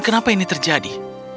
kenapa ini terjadi